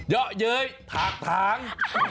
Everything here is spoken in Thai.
เยอะเย้ยถากถาง